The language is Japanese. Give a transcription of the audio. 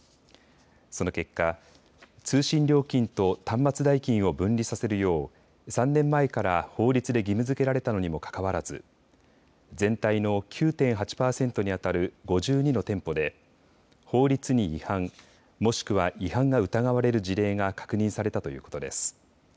その結果、通信料金と端末代金を分離させるよう３年前から法律で義務づけられたのにもかかわらず全体の９．８％にあたる５２の店舗で法律に違反、もしくは違反が疑われる事例が確認されたということです。